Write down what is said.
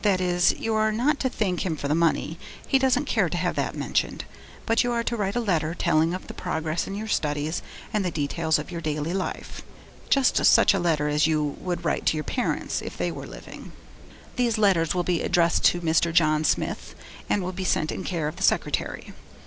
That is you are not to thank him for the money; he doesn't care to have that mentioned, but you are to write a letter telling of the progress in your studies and the details of your daily life. Just such a letter as you would write to your parents if they were living. 'These letters will be addressed to Mr. John Smith and will be sent in care of the secretary.